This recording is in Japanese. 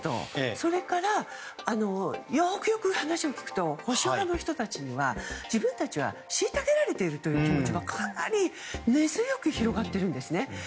それから、よくよく話を聞くと保守派の人たちには自分たちは虐げられているという気持ちがかなり根強く広がっているんですね。